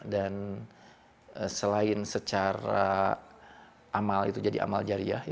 dan selain secara amal itu jadi amal jariah ya